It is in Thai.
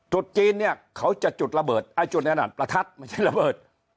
จุดจีนเนี่ยเขาจะจุดระเบิดประทัดไม่ใช่ระเบิด